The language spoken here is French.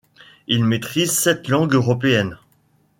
Il maîtrise sept langues européennes.